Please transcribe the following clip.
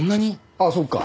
あっそっか。